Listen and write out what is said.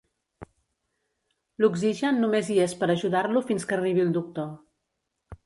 L'oxigen només hi és per ajudar-lo fins que arribi el doctor.